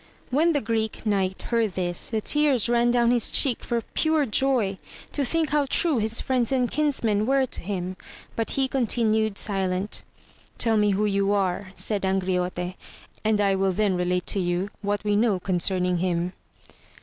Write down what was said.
When the Greek Knight heard this, the tears ran down his cheek for pure joy, to think how true his friends and kinsmen were to him ; but he continued silent. Tell me who you are, said Angriote, and I will then relate to you, what we know concerning him.